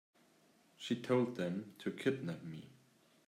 She told them to kidnap me.